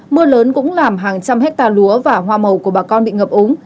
mưa lớn cũng làm hàng trăm hectare lúa và hoa màu của bà con bị ngập úng